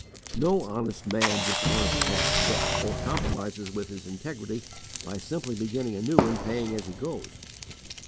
_ No honest man dishonours a past debt, or compromises with his integrity by simply beginning anew and paying as he goes.